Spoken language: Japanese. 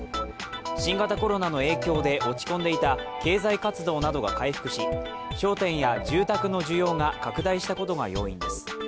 新型コロナの影響で落ち込んでいた経済活動などが回復し商店や住宅の需要が拡大したことが要因です。